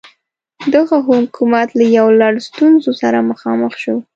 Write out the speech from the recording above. دغه حکومت له یو لړ ستونزو سره مخامخ شو.